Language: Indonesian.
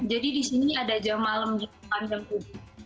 jadi di sini ada jam malam jam malam jam malam